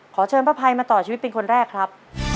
ขอเชิญป้าภัยมาต่อชีวิตเป็นคนแรกครับ